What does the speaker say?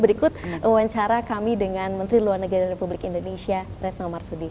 berikut wawancara kami dengan menteri luar negeri republik indonesia retno marsudi